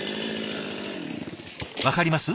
分かります？